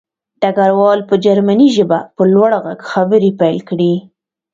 ډګروال په جرمني ژبه په لوړ غږ خبرې پیل کړې